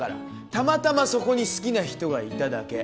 たまたまそこに好きな人がいただけ。